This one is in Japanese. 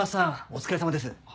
お疲れさまです。